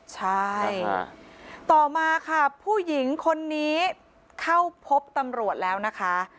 ใช่ต่อมาค่ะผู้หญิงคนนี้เข้าพบตำรวจแล้วนะคะ